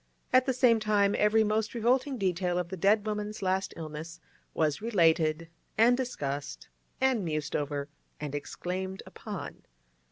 At the same time every most revolting detail of the dead woman's last illness was related and discussed and mused over and exclaimed upon.